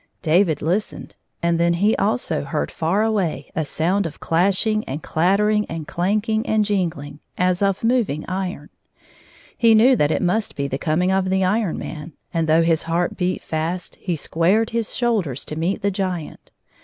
David Ustened, and then he also heard far away a sound of clashing and clattering and clanking and jingling, as of moving iron. He knew tiiat it must be the coming of the Iron Man, and though his heart beat fast he squared his shoulders to meet the giant.